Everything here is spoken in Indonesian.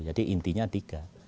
jadi intinya tiga